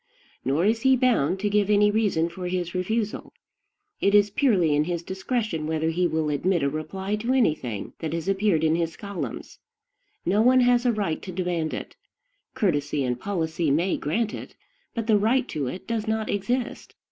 Nor is he bound to give any reason for his refusal. It is purely in his discretion whether he will admit a reply to any thing that has appeared in his columns. No one has a right to demand it. Courtesy and policy may grant it; but the right to it does not exist.